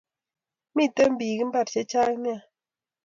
Miten pik imbar che chang nea